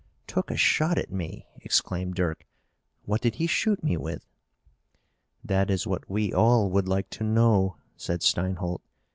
"Took a shot at me!" exclaimed Dirk. "What did he shoot me with?" "That is what we all would like to know," said Steinholt.